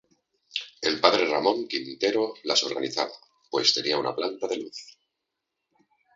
El padre Ramón Quintero las organizaba, pues tenía una planta de luz.